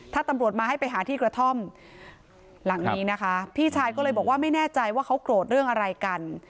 ถ้าตำรวจมาให้ไปหาที่กระท่อมหลังนี้นะคะพี่ชายก็เลยบอกว่าไม่แน่ใจว่าเขาโกรธเรื่องอะไรกัน